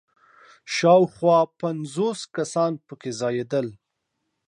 شاوخوا پنځوس کسان په کې ځایېدل.